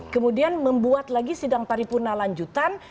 kemudian membuat lagi sidang paripurna lanjutan